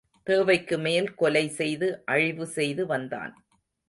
தேவைக்குமேல் கொலை செய்து அழிவு செய்து வந்தான்.